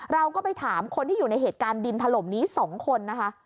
เราก็ไปถามคนที่อยู่ในเหตุการณ์ดินถล่มนี้๒คนนะคะ